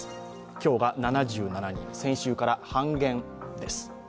今日が７７人、先週から半減です。